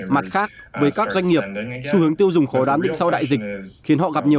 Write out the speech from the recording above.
mặt khác với các doanh nghiệp xu hướng tiêu dùng khó đoán định sau đại dịch khiến họ gặp nhiều